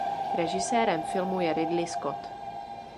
Režisérem filmu je Ridley Scott.